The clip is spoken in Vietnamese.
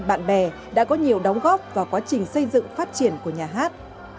bạn bè đã có nhiều đóng góp vào quá trình xây dựng phát triển của nhà hát